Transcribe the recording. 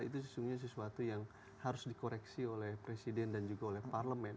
itu sesungguhnya sesuatu yang harus dikoreksi oleh presiden dan juga oleh parlemen